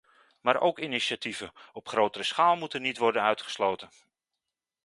Maar ook initiatieven op grotere schaal moeten niet worden uitgesloten.